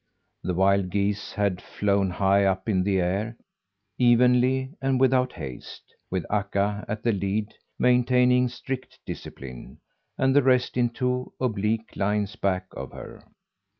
The wild geese had flown high up in the air evenly, and without haste with Akka at the head maintaining strict discipline, and the rest in two oblique lines back of her.